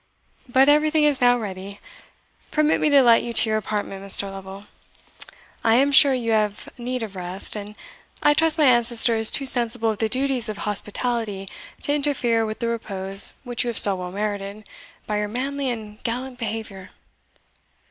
But everything is now ready. Permit me to light you to your apartment, Mr. Lovel I am sure you have need of rest and I trust my ancestor is too sensible of the duties of hospitality to interfere with the repose which you have so well merited by your manly and gallant behaviour."